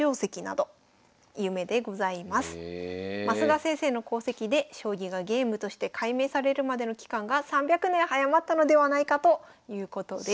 升田先生の功績で将棋がゲームとして解明されるまでの期間が３００年早まったのではないかということです。